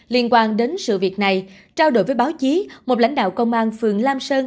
liên quan đến sự việc này trao đổi với báo chí một lãnh đạo công an phường lam sơn